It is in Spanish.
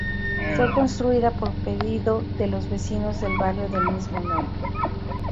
Fue construida por pedido de los vecinos del barrio del mismo nombre.